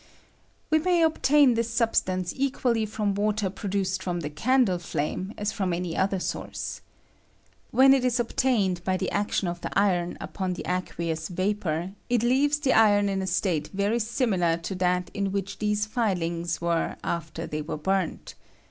We may obtain this substance equally from water produced from the candle flame as from any other source, When it is obtained by the action of the iron upon the ac[ueou3 vapor, it leaves the iron in a state very similar to that in which these filings were after they were burnt.